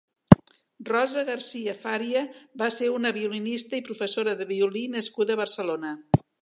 Rosa Garcia-Faria va ser una violinista i professora de violí nascuda a Barcelona.